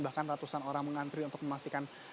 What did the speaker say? bahkan ratusan orang mengantri untuk memastikan